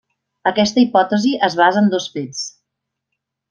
Aquesta hipòtesi es basa en dos fets.